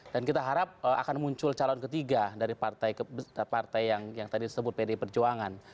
kita harap akan muncul calon ketiga dari partai yang tadi disebut pdi perjuangan